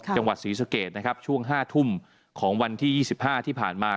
จังหวัดศรีสเกตนะครับช่วงห้าทุ่มของวันที่ยี่สิบห้าที่ผ่านมา